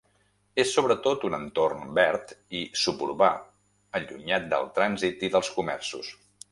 És sobretot un entorn verd i suburbà allunyat del trànsit i dels comerços.